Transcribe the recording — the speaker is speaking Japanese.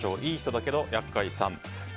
いい人だけど厄介さん。